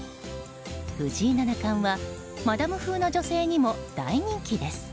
藤井七冠はマダム風の女性にも大人気です。